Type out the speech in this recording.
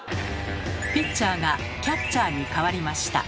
ピッチャーがキャッチャーに変わりました。